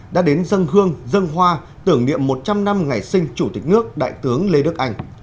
đã đến dân hương dân hoa tưởng niệm một trăm linh năm ngày sinh chủ tịch nước đại tướng lê đức anh